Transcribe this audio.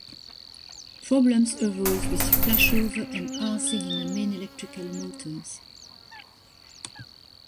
Problems arose with flashover and arcing in the main electric motors.